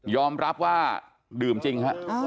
อมรับว่าดื่มจริงฮะ